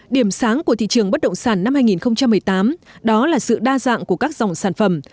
điểm sáng của thị trường bất động sản năm hai nghìn một mươi tám đó là sự đa dạng của các dòng sản phẩm